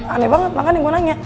aneh banget makanya gue nanya